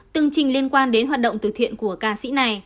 tương trình liên quan đến hoạt động từ thiện của ca sĩ này